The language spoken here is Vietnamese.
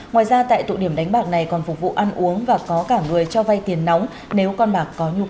ngoài ra tại tụ điểm đánh bạc này còn phục vụ ăn uống và có cả người cho vay tiền nóng nếu con bạc có nhu cầu